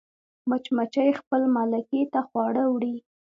مچمچۍ خپل ملکې ته خواړه وړي